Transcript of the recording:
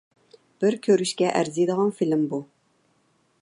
بىر كۆرۈشكە ئەرزىيدىغان فىلىم بۇ.